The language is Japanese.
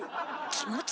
気持ち？